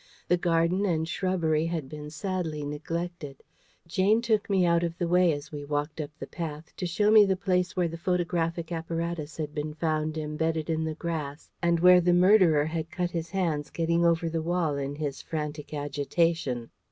The garden and shrubbery had been sadly neglected: Jane took me out of the way as we walked up the path, to show me the place where the photographic apparatus had been found embedded in the grass, and where the murderer had cut his hands getting over the wall in his frantic agitation.